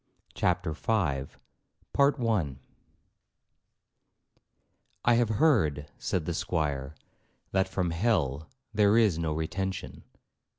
CHAPTER V 'I have heard,' said the Squire, 'that from hell there is no retention.'